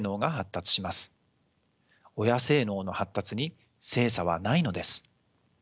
親性脳の発達に性差はないのです。